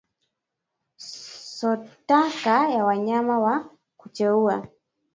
Sotoka ya wanyama wa kucheua